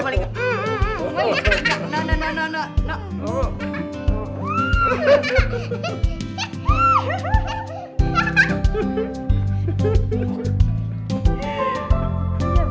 tidur aku diduduk